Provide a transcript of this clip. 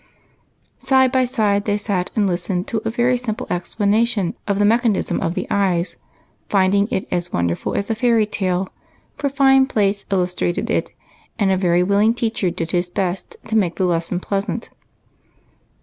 Side by side they sat and listened to a very simple explanation of the mechanism of the eye, finding it as wonderful as a fairy tale, for fine plates illustrated it, and a very willing teacher did his best to make the lesson pleasant.